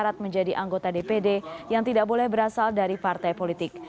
untuk menghentikan keberatan yang tidak boleh berasal dari partai politik